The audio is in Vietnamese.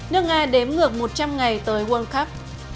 nước nga đếm ngược một trăm linh ngày tới world cup